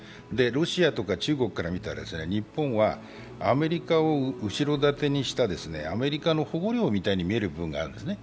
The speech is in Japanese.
ロシアとか中国から見たら日本はアメリカを後ろ盾にしたアメリカの保護領みたいに見えるところがあるんですね。